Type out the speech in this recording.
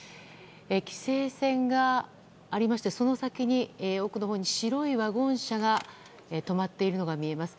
規制線がありましてその先に奥のほうに白いワゴン車が止まっているのが見えます。